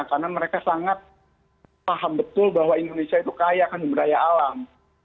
karena mereka sangat paham betul bahwa indonesia itu kaya kan berdaya alam